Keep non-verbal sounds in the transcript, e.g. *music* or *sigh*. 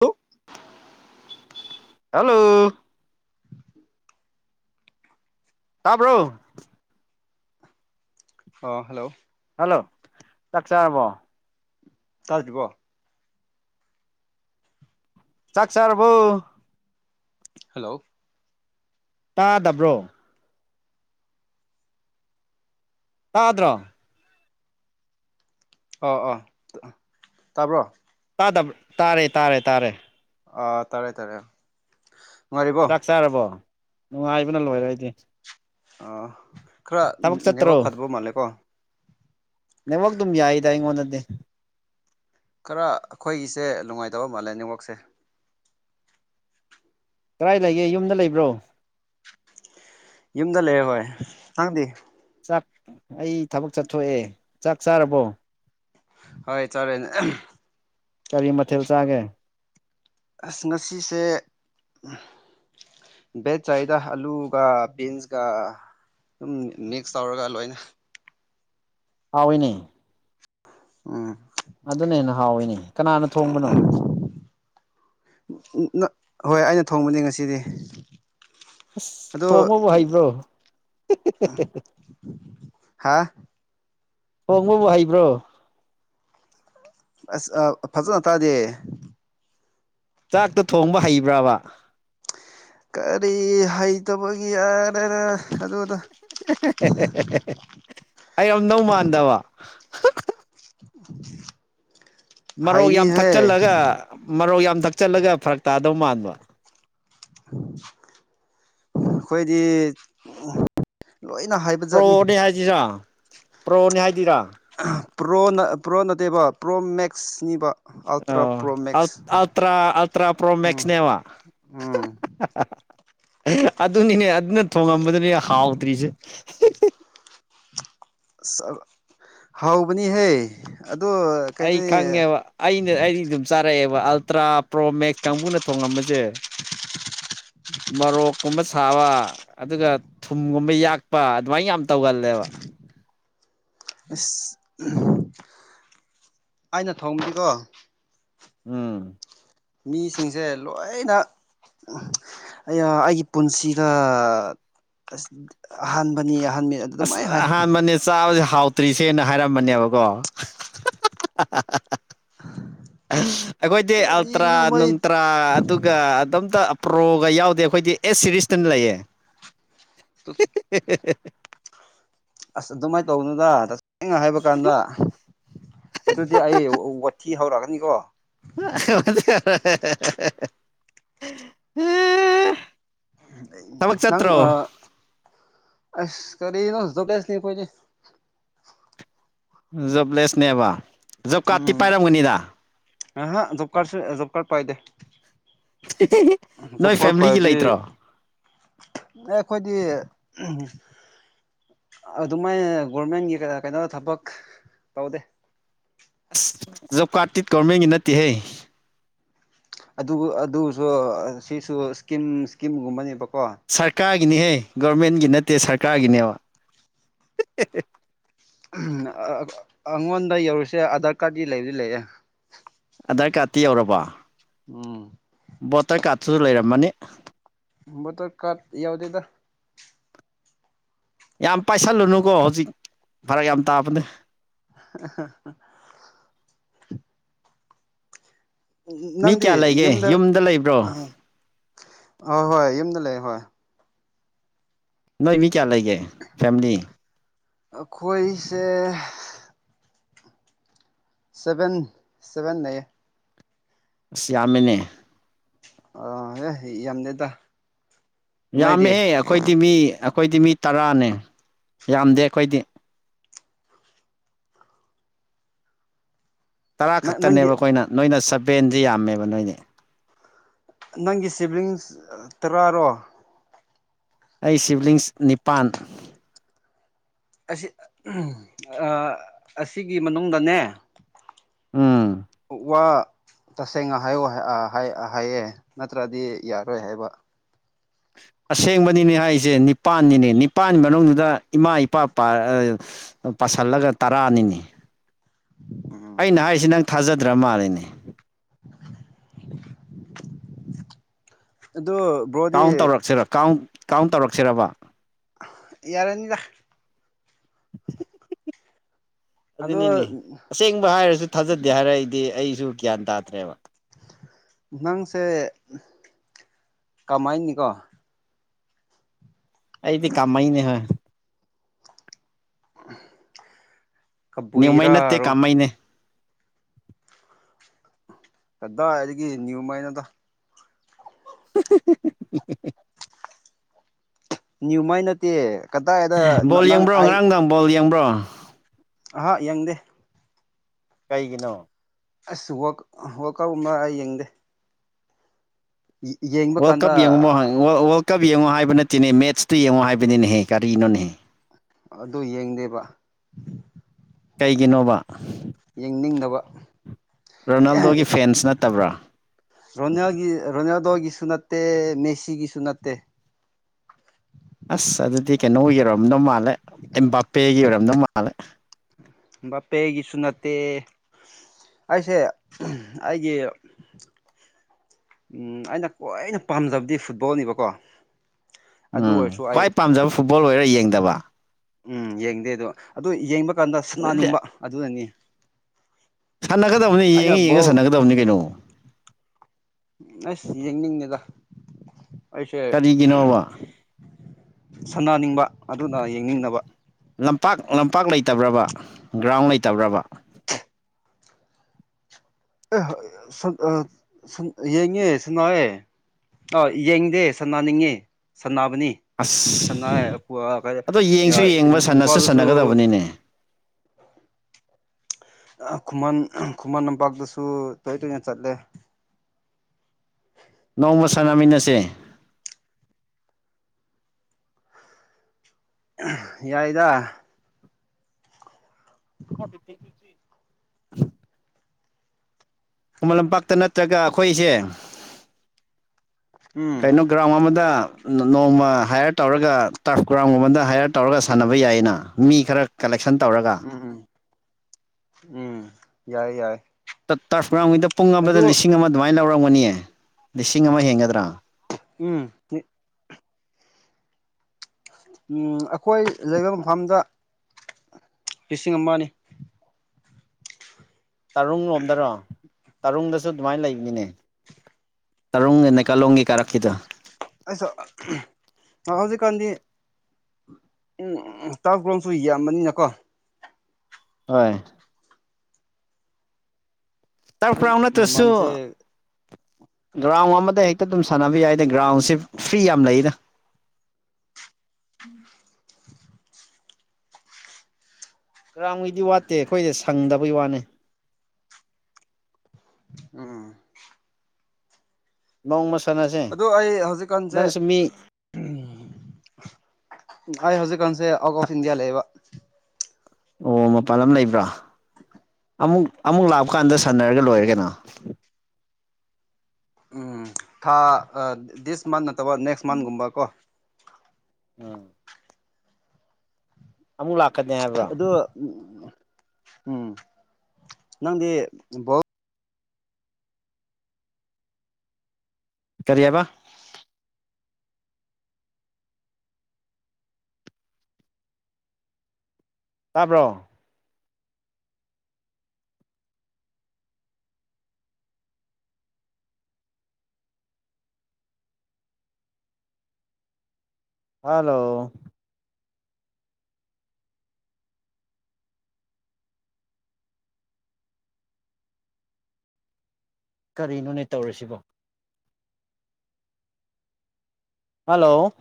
ꯍ ꯍꯜꯂꯣ ꯇꯥꯕ꯭ꯔꯣ ꯑꯣ ꯍꯜꯂꯣ ꯍꯜꯂꯣ ꯆꯥꯛ ꯆꯥꯔꯕꯣ *unintelligible* ꯆꯥꯛ ꯆꯥꯔꯔꯕꯣ ꯍꯜꯂꯣ ꯇꯥꯗꯕ꯭ꯔꯣ ꯇꯥꯗ꯭ꯔꯣ ꯑꯥ ꯑꯥ ꯇꯥꯕ꯭ꯔꯣ ꯇꯥꯗꯕ ꯇꯥꯔꯦ ꯇꯥꯔꯦ ꯇꯥꯔꯦ ꯑꯥ ꯇꯥꯔꯦ ꯇꯥꯔꯦ ꯅꯨꯡꯉꯥꯏꯔꯤꯕꯣ ꯆꯥꯛ ꯆꯥꯔꯕꯣ ꯅꯨꯡꯉꯥꯏꯕꯅ ꯂꯣꯏꯔ‌ꯦ ꯑꯩꯗꯤ ꯈꯔ ꯊꯕꯛ ꯆꯠꯇ꯭ꯔꯣ ꯅꯦꯋꯥꯛ ꯐꯠꯇꯕ ꯃꯥꯜꯂꯦꯀꯣ ꯅ‌ꯦꯋꯥꯛ ꯑꯗꯨꯝ ꯌꯥꯏꯗ ꯑꯩꯪꯉꯣꯟ ꯗꯗꯤ ꯈꯔ ꯑꯩꯈꯣꯏꯒꯤꯁꯦ ꯅꯨꯡꯉꯥꯏꯇꯕ ꯃꯥꯜꯂꯦ ꯅꯅꯤꯋꯥꯛꯁꯦ ꯀꯗꯥꯥꯏ ꯂꯩꯒꯦ ꯌꯨꯝꯗ ꯂꯩꯕ꯭ꯔꯣ ꯌꯨꯝꯗ ꯂꯩꯔ ꯍꯣꯏ ꯅꯪꯗꯤ ꯆꯥꯛ ꯑꯩ ꯊꯕꯛ ꯆꯠꯊꯣꯛꯑꯦ ꯆꯥꯛ ꯆꯥꯔꯕꯣ ꯍꯣꯏ ꯆꯂꯦꯅꯦ ꯀꯔꯤ ꯃꯊꯦꯜ ꯆꯥꯒꯦ ꯑꯁ ꯉꯁꯤꯁꯦ ꯕ‌ꯦꯠ ꯆꯥꯗ ꯑꯂꯨꯒ ꯕꯤꯟꯁ ꯀ ꯁꯝ ꯃꯤꯛꯁ ꯇꯧꯔꯒ ꯂꯣꯏꯅ ꯑꯥꯎꯏꯅꯦ ꯎꯝ ꯑꯗꯨꯅ ꯍꯦꯟꯅ ꯍꯥꯎꯏꯤꯅꯦ ꯀꯅꯥꯅ ꯊꯣꯡꯕꯅꯣ ꯍꯣꯏ ꯑꯩꯅ ꯊꯣꯡꯕꯅꯤ ꯉꯁꯤꯗꯤ ꯑꯁ ꯑꯗꯣ ꯊꯣꯡꯕꯕꯨ ꯍꯩꯕ꯭ꯔꯣ ꯍꯥꯦ ꯊ‌ꯣꯡꯕꯕꯨ ꯍꯩꯕ꯭ꯔꯣ ꯑꯁ ꯐꯖꯅ ꯇꯥꯛꯂꯗꯤ ꯍꯩꯌ‌ꯦ ꯆꯥꯛꯇ‌ꯣ ꯊꯣꯡꯕ ꯍꯩꯕ꯭ꯔꯕ ꯀꯔꯤ ꯍꯩꯇꯕꯒꯤ ꯌꯥꯔꯅ ꯑꯗꯨꯅ ꯍꯩꯔꯝꯘꯧ ꯃꯥꯟꯗꯕ *inaudible* ꯃꯔꯣꯛ ꯌꯥꯝ ꯍꯩꯅꯤꯍꯦ ꯊꯛꯆꯜꯂꯒ ꯃꯔꯣꯛ ꯌꯥꯝ ꯊꯛꯆꯜꯂꯒ ꯐꯔꯛ ꯇꯥꯗꯧ ꯃꯥꯟꯕ ꯑꯩꯈꯣꯏꯗꯤ ꯂꯣꯏꯅ ꯍꯥꯏꯕ ꯖꯥꯠꯅꯤ ꯄ꯭ꯔꯣꯅꯤ ꯍꯥꯏꯁꯤꯔꯥ ꯄ꯭ꯔꯣꯅꯤ ꯍꯥꯏꯗꯤꯔꯥ ꯄ꯭ꯔꯣꯅ ꯄ꯭ꯔꯣ ꯅꯠꯇꯦꯕ ꯄ꯭ꯔꯣ ꯃꯦꯛꯁꯅꯤꯕ ꯑꯜꯇ꯭ꯔꯥ ꯄ꯭ꯔꯣ ꯑꯣ ꯃꯦꯛꯁ ꯑ‌ꯪꯇꯔꯥ ꯄ꯭ꯔꯣ ꯎꯝ ꯃꯁꯅꯦ ꯋꯥ ꯎꯝ *inaudible* ꯑꯗꯨꯅꯤꯅꯦ ꯑꯗꯨꯅ ꯊꯣꯡꯉꯝꯕꯗꯨꯅꯦ ꯍꯥꯎꯗ꯭ꯔꯤꯁꯦ ꯍꯥꯎꯕꯅꯤꯍꯦ ꯑꯗꯣ ꯑꯩ ꯀꯩꯗꯤ ꯈꯪꯉꯦꯕ ꯑꯩꯅ ꯑꯩꯗꯤ ꯑꯗꯨꯝ ꯆꯥꯔꯛꯑꯦꯕ ꯑꯜꯇ꯭ꯔꯥ ꯄ꯭ꯔꯣ ꯃꯦꯛꯁ ꯀꯥꯡꯕꯨꯅ ꯊꯣꯉꯝꯕꯁꯦ ꯃꯥꯔ ꯀꯨꯝꯁ ꯊꯥꯕ ꯑꯗꯨꯒ ꯊꯨꯝꯒꯨꯝꯕ ꯌꯥꯛꯄ ꯑꯗꯨꯃꯥꯏꯅ ꯌꯥꯝ ꯇꯧꯒꯜꯂꯦꯕ ꯑꯁ ꯑꯩꯅ ꯊꯣꯡꯕꯅꯤꯀꯣ ꯎꯝ ꯃꯤꯁꯤꯡꯁꯦ ꯂꯣꯏꯅ ꯑꯩꯒꯤ ꯄꯨꯟꯁꯤꯗ ꯑꯁ ꯑꯍꯥꯟꯕꯅꯤ ꯑꯍꯥꯟꯕ ꯑꯁ ꯑꯍꯥꯟꯕꯅꯦ ꯆꯥꯕꯗ ꯍꯥꯎꯇ꯭ꯔꯤꯁꯦꯅ ꯍꯥꯏꯔꯝꯕꯅꯦꯕꯀꯣ *inaudible* ꯑꯩꯈꯣꯏꯗꯤ ꯑꯜꯇ꯭ꯔꯥ ꯀꯔꯤꯅꯣ ꯃꯣꯏ ꯅꯨꯡ ꯑꯗꯨꯒ ꯑꯗꯨꯝꯇ ꯄ꯭ꯔꯣꯒ ꯌꯥꯎꯗꯦ ꯑꯩꯈꯣꯏꯗꯤ ꯑꯦꯁ ꯁꯤꯔꯤꯁꯇꯅ ꯂꯩꯌꯦ *unintelligible* *unintelligible* *unintelligible* ꯑꯁ ꯑꯗꯨꯃꯥꯏꯅ ꯇꯧꯕꯅꯗ ꯇꯁꯦꯡꯅ ꯍꯥꯏꯕ ꯀꯥꯟꯗ ꯑꯗꯨꯗꯤ ꯑꯩ ꯋꯥꯊꯤ ꯍꯧꯔꯛꯀꯅꯤꯀꯣ *unintelligible* ꯊꯕꯛ ꯅꯪ ꯆꯠꯇ꯭ꯔꯣ ꯑ ꯑꯁ ꯀꯔꯤꯅꯣ *unintelligible* ꯑꯩꯈꯣꯏꯗꯤ ꯖꯣꯕꯂꯦꯁꯅꯦꯕ ꯖꯣꯕ ꯀꯥꯔꯇꯤ ꯄꯥꯏꯔꯝꯒꯅꯤꯗ ꯑ ꯍꯥ ꯖꯣꯞꯀꯁꯨ ꯖꯣꯞꯀ ꯄꯥꯏꯗꯦ ꯖꯣꯕ ꯅꯣꯏ ꯀꯥꯔꯠ ꯐꯦꯃꯤꯂꯤꯒꯤ ꯄꯥꯏꯔꯗꯤ ꯂꯩꯇ꯭ꯔꯣ ꯑꯦ ꯑꯩꯈꯣꯏꯗꯤ ꯑꯗꯨꯃꯥꯏꯅ ꯒꯣꯔꯃꯦꯟꯒꯤ ꯀ ꯀꯩꯅꯣ ꯊꯕꯛ ꯇꯧꯗꯦ ꯑꯁ ꯖꯣꯕ ꯀꯥꯔꯗꯇꯤ ꯒꯣꯔꯃꯦꯟꯒꯤ ꯅꯠꯇꯦꯍꯦ ꯑꯗꯨ ꯑꯗꯨꯁꯨ ꯁꯤꯁꯨ ꯁꯀꯤꯝ ꯁ꯭ꯀꯤꯝꯒꯨꯝꯕꯅꯦꯕꯀꯣ ꯁꯔꯀꯥꯔꯒꯤꯅꯤꯍꯦ ꯒꯣꯔꯃꯦꯟꯒꯤ ꯅꯠꯇꯦ ꯁꯔꯀꯥꯔꯒꯤꯅꯦꯕ ꯑꯩꯉꯣꯟꯗ ꯌꯧꯔꯤꯁꯦ ꯑꯙꯥꯔ ꯀꯥꯔꯗꯤ ꯂꯩꯑꯦ ꯂꯩꯑꯦ ꯑꯗꯥꯔ ꯀꯥꯔꯗꯠꯇꯤ ꯌꯧꯔꯕ ꯎꯝ ꯕꯣꯇꯔ ꯀꯥꯔꯠꯇꯨꯁꯨ ꯂꯩꯔꯝꯃꯅꯤ ꯕꯦꯇꯔ ꯀꯠ ꯌꯥꯎꯗꯦꯗ ꯌꯥꯝ ꯄꯥꯏꯁꯜꯂꯨꯅꯨꯀꯣ ꯍꯧꯖꯤꯛ ꯐꯔꯛ ꯌꯥꯝ ꯇꯥꯕꯅꯦ *unintelligible* ꯃꯤ ꯅꯪꯗꯤ ꯀꯌꯥ ꯂꯩꯒꯦ ꯌꯨꯝꯗ ꯂꯩꯕ꯭ꯔꯣ ꯑ ꯍꯣꯏ ꯌꯨꯝꯗ ꯂꯩ ꯍꯣꯏ ꯅꯣꯏ ꯃꯤ ꯀꯌꯥ ꯂꯩꯒꯦ ꯐꯦꯃꯤꯂꯤ ꯑꯩꯈꯣꯏꯁꯦ ꯁꯕꯦꯟ ꯁꯕꯦꯟ ꯂꯩꯌꯦ ꯑꯁ ꯌꯥꯝꯃꯤꯅꯦ ꯑ ꯌꯥꯝꯗꯦꯗ ꯅꯣꯏꯗꯤ ꯌꯥꯝꯃꯦꯍꯦ ꯑꯩꯈꯣꯏꯗꯤ ꯃꯤ ꯑꯩꯈꯣꯏꯗꯤ ꯃꯤ ꯇꯔꯥꯅꯦ ꯌꯥꯝꯗꯦ ꯑꯩꯈꯣꯏꯗꯤ ꯇꯔꯥ ꯅꯪꯒꯤ ꯈꯛꯇꯅꯦꯕ ꯑꯩꯈꯣꯏꯅ ꯅꯣꯏꯅ ꯁꯕꯦꯟꯁꯤ ꯌꯥꯝꯃꯦꯕ ꯅꯣꯏꯅꯦ ꯅꯪꯒꯤ ꯁꯤꯕ꯭ꯂꯤꯡꯁ ꯇꯔꯥꯔꯣ ꯑꯩ ꯁꯤꯕ꯭ꯂꯤꯡꯁ ꯅꯤꯄꯥꯟ ꯑꯁꯤ ꯑꯁꯤꯒꯤ ꯃꯅꯨꯡꯗꯅꯦ ꯎꯝ ꯋꯥ ꯇꯁꯦꯡꯅ ꯍꯥꯏꯌꯨ ꯍꯥꯏꯌꯦ ꯅꯠꯇ꯭ꯔꯗꯤ ꯌꯥꯔꯣꯏ ꯍꯥꯏꯕ ꯑꯁꯦꯡꯕꯅꯤꯅꯦ ꯍꯥꯏꯁꯦ ꯅꯤꯄꯜꯅꯤꯅꯦ ꯅꯤꯄꯥꯜ ꯃꯅꯨꯡꯗꯨꯗ ꯏꯃꯥ ꯏꯄꯥ ꯄꯁꯜꯂꯒ ꯇꯔꯥ ꯅꯤꯅꯦ *unintelligible* ꯑꯩꯅ ꯍꯥꯏꯁꯦ ꯅꯪ ꯊꯥꯖꯗ꯭ꯔ ꯃꯥꯜꯂꯤꯅꯦ ꯑꯗꯣ ꯀꯥꯎꯟ ꯇꯧꯔꯛꯁꯤꯔ ꯀꯥꯎꯟ ꯀꯥꯎꯟ ꯇꯧꯔꯛꯁꯤꯔꯕ ꯌꯥꯔꯅꯤꯗ ꯑꯗꯣ ꯑꯗꯨꯅꯤꯅꯦ ꯑꯁꯦꯡꯕ ꯍꯥꯏꯔꯁꯨ ꯊꯥꯖꯗꯦ ꯍꯥꯏꯔꯛꯏꯗꯤ ꯑꯩꯁꯨ ꯒ꯭ꯌꯥꯟ ꯇꯥꯗ꯭ꯔꯦꯕ ꯅꯪꯁꯦ ꯀꯃꯥꯏꯅꯤꯀꯣ ꯑꯩꯗꯤ ꯀꯥꯃꯩꯅꯦ ꯍꯣꯏ ꯅꯤꯌꯃꯩ ꯅꯠꯇꯦ ꯀꯕꯨꯏꯔꯥꯔꯣ ꯀꯥꯃꯩꯅꯦ ꯀꯗꯥꯏꯗꯒꯤ ꯅ꯭ꯌꯨꯃꯩꯅꯣꯗ ꯃꯥꯏ ꯅꯠꯇꯦ ꯀꯗꯥꯏꯗ ꯕꯣꯜ ꯅꯪ ꯌꯦꯡꯕ꯭ꯔꯣ ꯑꯩ ꯉꯔꯥꯡ ꯅꯨꯡꯗꯥꯡ ꯕꯣꯜ ꯌꯦꯡꯕ꯭ꯔꯣ ꯑꯍꯥ ꯌꯦꯡꯗꯦ ꯀꯩꯒꯤꯅꯣ ꯑꯁ ꯋꯥꯛ ꯋꯥꯛ ꯑꯥꯎ ꯑꯃ ꯌꯦꯡꯗꯦ ꯌꯦꯡ ꯋꯥꯔꯜ ꯀꯞ ꯌꯦꯡꯉꯣ ꯋꯥꯔꯜ ꯀꯞ ꯌꯦꯡꯉꯣ ꯍꯥꯏꯕ ꯅꯠꯇꯦꯅꯦ ꯃꯦꯠꯁꯇꯨ ꯌꯦꯡꯉꯣ ꯍꯥꯏꯕꯅꯤꯅꯦꯍꯦ ꯀꯔꯤꯅꯣꯅꯦꯍꯦ ꯑꯗꯨ ꯌꯦꯡꯗꯦꯕ ꯀꯩꯒꯤꯅꯣꯕ ꯌꯦꯡꯅꯤꯡꯗꯕ ꯔꯣꯅꯥꯜꯗꯣꯒꯤ ꯐꯦꯟꯁ ꯅꯠꯇꯕ꯭ꯔꯥ ꯔꯣꯅꯤꯜꯒꯤ ꯔꯣꯅꯤꯜꯗꯣꯒꯤꯁꯨ ꯅꯠꯇꯦ ꯃꯦꯁꯤꯒꯤꯁꯨ ꯅꯠꯇꯦ ꯑꯁ ꯑꯗꯨꯗꯤ ꯀꯩꯅꯣꯒꯤ ꯑꯣꯏꯔꯝꯅꯧ ꯃꯥꯜꯂꯦ ꯑꯕꯥꯄꯦꯒꯤ ꯑꯣꯏꯔꯗꯧ ꯃꯥꯜꯂꯦ ꯕꯥꯞꯄꯦꯒꯤꯁꯨ ꯅꯠꯇꯦ ꯑꯩꯁꯦ ꯑꯩꯒꯤ ꯎꯝ ꯑꯩꯅ ꯈ꯭ꯋꯥꯏꯅ ꯄꯥꯝꯖꯕꯗꯤ ꯐꯨꯠꯕꯣꯜꯅꯤꯕꯀꯣ ꯎꯝ ꯈ꯭ꯋꯥꯏ ꯄꯥꯝꯖꯕ ꯐꯨꯠꯕꯣꯜ ꯑꯣꯏꯔꯒ ꯌꯦꯡꯗꯕ ꯎꯝ ꯌꯦꯡꯗꯦ ꯑꯗꯣ ꯑꯗꯨ ꯌꯦꯡꯕ ꯀꯥꯟꯗ ꯑꯗꯨꯗꯤ ꯁꯥꯅꯅꯤꯡꯕ ꯑꯗꯨꯅꯅꯤ ꯁꯥꯟꯅꯒꯗꯕꯅꯤ ꯑꯩꯅ ꯌꯦꯡꯉ ꯌꯦꯡꯉ ꯕꯣꯜ ꯁꯥꯟꯅꯒꯗꯕꯅꯤ ꯀꯩꯅꯣ ꯎ ꯑꯁ ꯌꯦꯡꯅꯤꯡꯉꯗ ꯑꯩꯁꯦ ꯀꯔꯤꯒꯤꯅꯣꯕ ꯁꯥꯟꯅꯅꯤꯡꯕ ꯑꯗꯨꯅ ꯌꯦꯡꯅꯤꯡꯗꯕ ꯂꯝꯄꯥꯛ ꯂꯝꯄꯥꯛ ꯂꯩꯇꯕ꯭ꯔꯕ ꯒ꯭ꯔꯥꯎꯟ ꯂꯩꯇꯕ꯭ꯔꯕ ꯌꯦꯡꯉꯦ ꯁꯅꯥꯔꯦ ꯑꯥ ꯌꯦꯡꯗꯦ ꯁꯥꯟꯅꯅꯤꯡꯉꯤ ꯁꯅꯕꯅꯤ ꯑꯁ ꯁꯅꯥ ꯀ ꯑꯗꯣ ꯌꯦꯡꯁꯨ ꯌꯦꯡꯕ ꯁꯥꯟꯅꯁꯨ ꯏꯝꯐꯥꯜꯁꯨ ꯁꯥꯟꯅꯒꯗꯕꯅꯤꯅꯦ ꯈꯨꯃꯟ ꯈꯨꯃꯟ ꯂꯝꯄꯥꯛꯇꯁꯨ ꯇꯣꯏ ꯇꯣꯏꯅ ꯆꯠꯂꯦ ꯅꯣꯡꯃ ꯁꯥꯟꯅꯃꯤꯟꯅꯁꯦ ꯌꯥꯏꯗ *inaudible* ꯈꯨꯃꯟ ꯂꯝꯄꯥꯛꯇ ꯅꯠꯇ꯭ꯔꯒ ꯑꯩꯈꯣꯏꯁꯦ ꯎꯝ ꯀꯩꯅꯣ ꯒ꯭ꯔꯥꯎꯟ ꯑꯃꯗ ꯅꯣꯡꯃ ꯍꯥꯏꯌꯔ ꯇꯧꯔꯒ ꯇꯐ ꯒ꯭ꯔꯥꯎꯟꯒꯨꯝ ꯑꯃꯗ ꯍꯥꯏꯌꯔ ꯇꯧꯔꯒ ꯁꯥꯟꯅꯕ ꯌꯥꯏꯌꯦꯅ ꯃꯤ ꯈꯔ ꯀꯂꯦꯛꯁꯟ ꯇꯧꯔꯒ ꯎꯝ ꯎꯝ ꯌꯥꯏ ꯌꯥꯏ ꯇꯔꯐ ꯈꯣꯏꯗ ꯄꯨꯡ ꯑꯃꯗ ꯑꯗꯨ ꯂꯤꯁꯤꯡ ꯑꯃ ꯑꯗꯨꯃꯥꯏꯅ ꯂꯧꯔꯝꯒꯅꯤ ꯂꯤꯁꯤꯡ ꯑꯃ ꯍꯦꯟꯒꯗ꯭ꯔꯥ ꯎꯝ ꯑꯩꯈꯣꯏ ꯂꯩꯕ ꯃꯐꯝꯗ ꯂꯤꯁꯤꯡ ꯑꯃꯅꯤ ꯇꯔꯨꯡ ꯂꯣꯝꯗꯔꯣ ꯇꯔꯨꯡꯗꯁꯨ ꯑꯗꯨꯃꯥꯏꯅ ꯂꯩꯅꯤꯅꯦ ꯇꯔꯨꯡ ꯅꯩꯀꯥꯂꯣꯡꯒꯤ ꯀꯥꯔꯛꯈꯤꯗ ꯑꯩꯁꯣ ꯍꯧꯖꯤꯛꯀꯥꯟꯗꯤ ꯎꯝ ꯎꯝ ꯇꯔ ꯀꯣꯝꯁꯨ ꯌꯥꯝꯕꯅꯤꯅꯀꯣ ꯍꯣꯏ ꯑꯗꯨꯝ ꯇꯔꯔꯥꯎ ꯅꯠꯇ꯭ꯔꯁꯨ ꯃꯃꯜꯁꯦ ꯒ꯭ꯔꯥꯎꯟ ꯑꯃꯗ ꯍꯦꯛꯇ ꯑꯗꯨꯝ ꯁꯥꯟꯅꯕ ꯌꯥꯏꯗ ꯒ꯭ꯔꯥꯎꯟ ꯁꯤ ꯑꯣ ꯐ꯭ꯔꯤ ꯌꯥꯝ ꯂꯩꯗ ꯒ꯭ꯔꯥꯝꯒꯤꯗꯤ ꯋꯥꯠꯇꯦ ꯑꯩꯈꯣꯏꯗ ꯁꯪꯗꯕꯩ ꯋꯥꯅꯤ ꯑꯝ ꯅꯣꯡꯃ ꯁꯥꯟꯅꯁꯦ ꯑꯗꯣ ꯑꯩ ꯍꯧꯖꯤꯛꯀꯥꯟꯁꯦ ꯅꯪꯁꯨ ꯃꯤ ꯑꯩ ꯍꯧꯖꯤꯛꯀꯥꯟꯁꯦ ꯑꯥꯎꯠ ꯑꯣꯐ ꯏꯟꯗꯤꯌꯥ ꯂꯩꯌꯦꯕ ꯑꯣ ꯃꯄꯥꯟ ꯑꯃ ꯂꯩꯕ꯭ꯔꯥ ꯑꯃꯨꯛ ꯑꯃꯨꯛ ꯂꯥꯛꯄ ꯀꯥꯟꯗ ꯁꯥꯟꯅꯔꯒ ꯂꯣꯏꯔꯒꯅ ꯎꯝ ꯊꯥ ꯗꯤꯁ ꯃꯟꯠ ꯅꯠꯇꯕ ꯅꯦꯛꯁ ꯃꯟꯒꯨꯝꯕ ꯀꯣ ꯑꯝ ꯑꯃꯨꯛ ꯂꯥꯛꯀꯅꯦ ꯍꯥꯏꯕ ꯑꯗ‌ꯣ ꯎꯝ ꯅꯪꯗꯤ ꯕꯣ ꯀꯔꯤꯑꯕ ꯇꯥꯕ꯭ꯔꯣ ꯍꯜꯂꯣ ꯀꯔꯤꯅꯣꯅꯦ ꯇꯧꯔꯤꯁꯤꯕꯣ ꯍꯜꯂꯣ